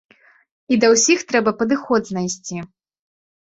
І да ўсіх трэба падыход знайсці.